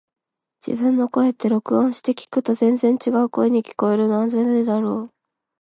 自分の声って、録音して聞くと全然違う声に聞こえるのはなぜだろう。